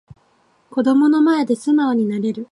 子供の前で素直になれる